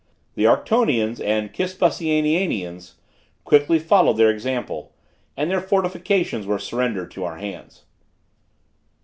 The Arctonians and Kispusiananians quickly followed their example, and their fortifications were surrendered to our hands.